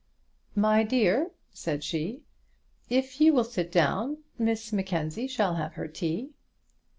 "My dear," said she, "if you will sit down, Miss Mackenzie shall have her tea."